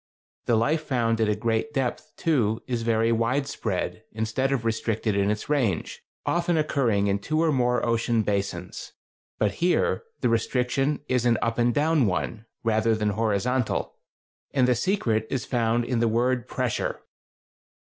The life found at a great depth, too, is very wide spread, instead of restricted in its range, often occurring in two or more ocean basins; but here the restriction is an up and down one, rather than horizontal, and the secret is found in the word pressure.